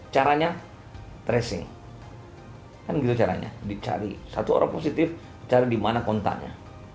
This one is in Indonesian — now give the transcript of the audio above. caranya tracing kan gitu caranya dicari satu orang positif cara di mana kontaknya